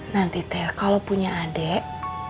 nanti teh kalau punya adik